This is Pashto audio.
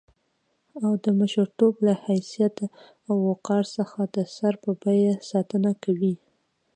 او د مشرتوب له حيثيت او وقار څخه د سر په بيه ساتنه کوي.